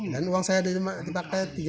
dan uang saya dipakai tiga dua ratus